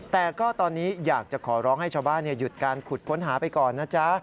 แต่ก็ตอนนี้อยากจะขอร้องให้ชาวบ้านหยุดการขุดค้นหาไปก่อนนะจ๊ะ